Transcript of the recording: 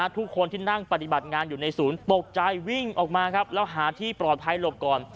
ทุกคนที่นั่งปฏิบัติงานอยู่ในศูนย์ตกใจวิ่งออกมาครับแล้วหาที่ปลอดภัยหลบก่อน